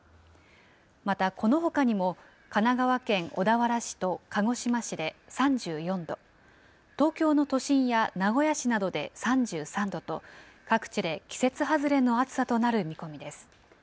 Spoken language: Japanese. またこのほかにも、神奈川県小田原市と鹿児島市で３４度、東京の都心や名古屋市などで３３度と、各地で季節外れの暑さとなる見込みです。